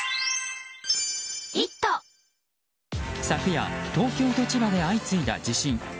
昨夜東京と千葉で相次いだ地震。